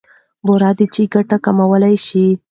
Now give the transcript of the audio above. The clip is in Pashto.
بوره د چای ګټې کمولای شي.